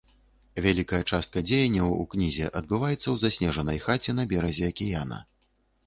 Вялікая частка дзеянняў у кнізе адбываецца ў заснежанай хаце на беразе акіяна.